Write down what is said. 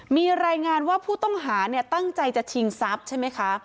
มีรายงานว่าผู้ต้องหาตั้งใจจะชิงทรัพย์ใช่ไหมคะ